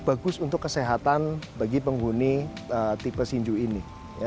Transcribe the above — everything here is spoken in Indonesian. itu bagus untuk kesehatan bagi penghuni tipe shinju ini